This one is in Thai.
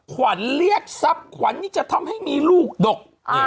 ขวัญเรียกทรัพย์ขวัญนี่จะทำให้มีลูกดก